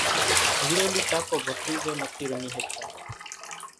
ڌوڙيلي ڪاڪو ڀتريزو نٿي رمي ۿڳتا،